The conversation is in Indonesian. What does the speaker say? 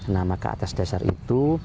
nah maka atas dasar itu